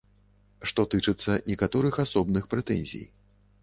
Што тычыцца некаторых асобных прэтэнзій.